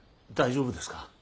大丈夫ですか。